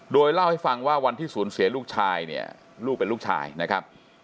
โดยเล่าให้ฟังว่าวันที่สูญเสียลูกชายเนี่ยลูกเป็นลูกชายนะครับ